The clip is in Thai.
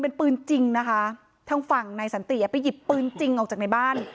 เป็นปืนจริงนะคะทางฝั่งนายสันติอ่ะไปหยิบปืนจริงออกจากในบ้าน